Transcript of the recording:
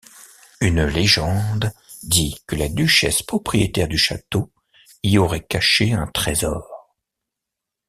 Une légende dit que la duchesse propriétaire du château y aurait caché un trésor.